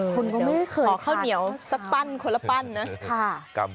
คุณก็ไม่เคยทานข้าวเช้าขอข้าวเหนียวสักปั้นคนละปั้นนะ